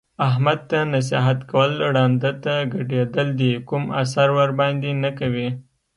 احمد ته نصیحت کول ړانده ته ګډېدل دي کوم اثر ورباندې نه کوي.